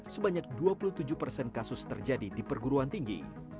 sebanyak dua puluh tujuh persen kasus terjadi di perguruan tinggi